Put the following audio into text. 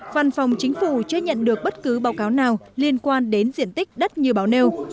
văn phòng chính phủ chưa nhận được bất cứ báo cáo nào liên quan đến diện tích đất như báo nêu